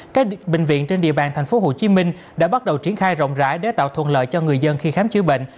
các bệnh viện trên địa bàn tp hcm đã bắt đầu triển khai rộng rãi để tạo thuận lợi cho người dân khi khám chữa bệnh